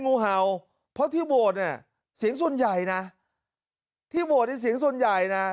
งูเหาเพราะที่โบสถ์น่ะเสียงส่วนใหญ่น่ะที่โบสถ์เป็นเสียงส่วนใหญ่น่ะ